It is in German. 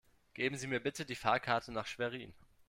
Geben Sie mir bitte die Fahrkarte nach Schwerin